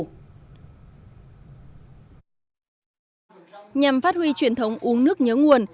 nhằm phát huy truyền thống uống nước nhớ nguồn